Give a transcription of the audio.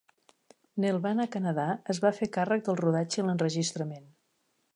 Nelvana Canada es va fer càrrec del rodatge i l'enregistrament.